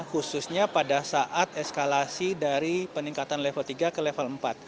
khususnya pada saat eskalasi dari peningkatan level tiga ke level empat